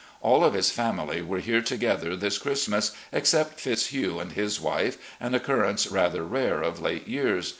All of his family were here together this Christmas except Fitzhugh and his wife, an occurrence rather rare of late years.